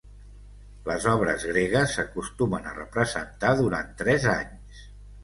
Les obres gregues s'acostumen a representar durant tres anys.